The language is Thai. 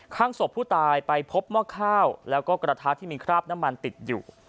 ข้างศพผู้ตายไปพบหม้อข้าวแล้วก็กระทะที่มีคราบน้ำมันติดอยู่